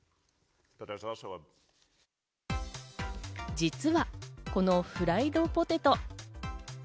実はこのフライドポテト。